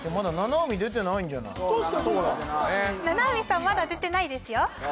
確かに七海さんまだ出てないですよ